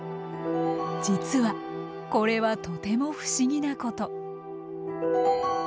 実はこれはとても不思議なこと。